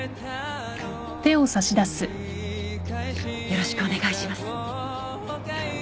よろしくお願いします。